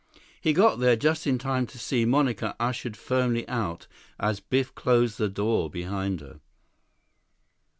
He got there just in time to see Monica ushered firmly out as Biff closed the door behind her.